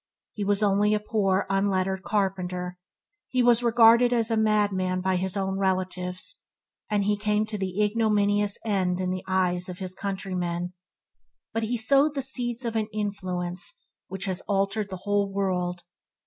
He was only a poor, unlettered carpenter; He was regarded as a madman by His own relatives, and he came to an ignominious end in the eyes of His countrymen, but He sowed the seeds of an influence which has altered the whole world.